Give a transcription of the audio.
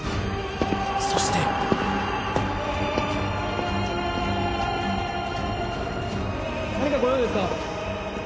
そして何かご用ですか？